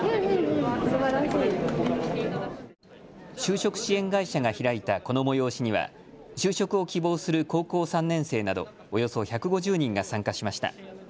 就職支援会社が開いたこの催しには就職を希望する高校３年生などおよそ１５０人が参加しました。